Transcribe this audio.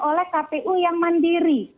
oleh kpu yang mandiri